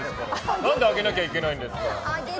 何であげなきゃいけないんですか！